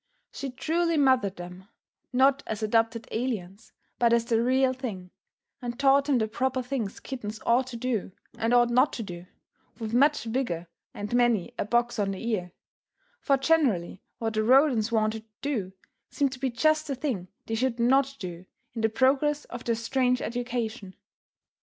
She truly mothered them, not as adopted aliens, but as the real thing, and taught them the proper things kittens ought to do and ought not to do, with much vigor and many a box on the ear; for generally what the rodents wanted to do, seemed to be just the thing they should not do in the progress of their strange education.